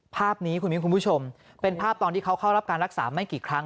ภาพนี้คุณมิ้นคุณผู้ชมเป็นภาพตอนที่เขาเข้ารับการรักษาไม่กี่ครั้ง